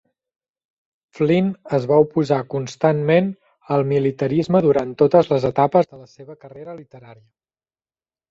Flynn es va oposar constantment al militarisme durant totes les etapes de la seva carrera literària.